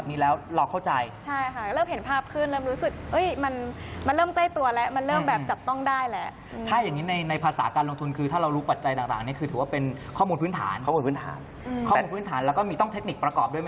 มีต้องเทคนิคประกอบด้วยไหมครับ